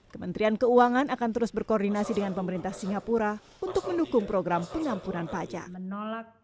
kementerian keuangan akan terus berkoordinasi dengan pemerintah singapura untuk mendukung program pengampunan pajak